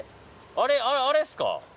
あれあれっすか？